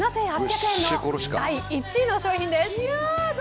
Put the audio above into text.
７８００円、第１位の商品です。